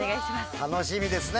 楽しみですね。